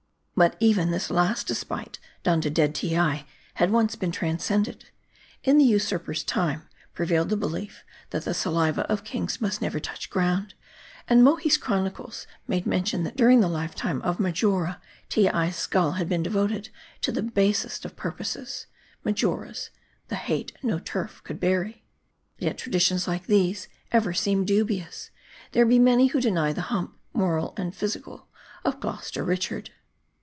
But even this last despite done to dead Teei had once been transcended. In the usurper's time, prevailed the be 294 MARDI, lief, that the saliva of kings must never touch ground ; and Mohi's Chronicles made mention, that during the life time of Marjora, Teei's skull had been devoted ta the basest of purposes : Marjora's, the hate no turf could bury. Yet, traditions like these ever seem dubious. There be. many who deny the hump, moral and physical, of Gloster Richard.